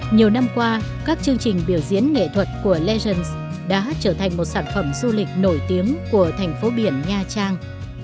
nhiều năm qua các chương trình biểu diễn nghệ thuật của legends đã trở thành một sản phẩm du lịch nổi tiếng của thành phố biển nha trang